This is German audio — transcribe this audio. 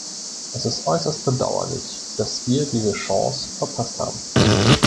Es ist äußerst bedauerlich, dass wir diese Chance verpasst haben.